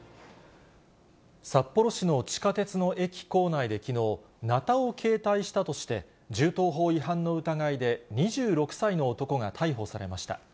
札幌市の地下鉄の駅構内できのう、なたを携帯したとして、銃刀法違反の疑いで２６歳の男が逮捕されました。